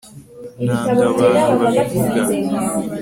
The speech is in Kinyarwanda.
Nanga abantu babivuga